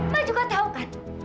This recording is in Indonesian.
mbak juga tahu kan